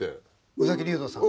宇崎竜童さん？